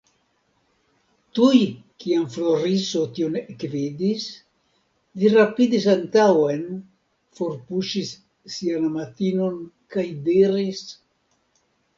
Tuj kiam Floriso tion ekvidis, li rapidis antaŭen, forpuŝis sian amatinon kaj diris.